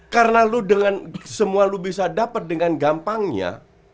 karena lu dengan semua lu bisa dapat dengan gampangnya